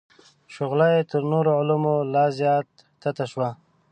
شغله یې تر نورو علومو لا زیاته تته شوه.